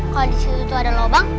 kalo disitu tuh ada lobang